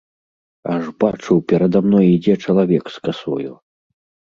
Аж бачу, перада мной ідзе чалавек з касою.